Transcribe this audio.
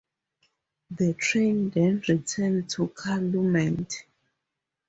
The train then returned to Calumet.